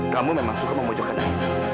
kamu memang suka memojokkan ini